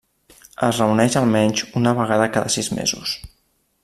Es reuneix almenys una vegada cada sis mesos.